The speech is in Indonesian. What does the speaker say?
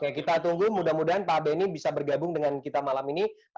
oke kita tunggu mudah mudahan pak benny bisa bergabung dengan kita malam ini